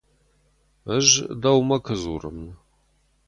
Ӕз дӕумӕ куы дзурын.